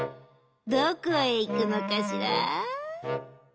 どこへいくのかしら？」。